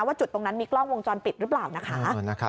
จุดตรงนั้นมีกล้องวงจรปิดหรือเปล่านะคะ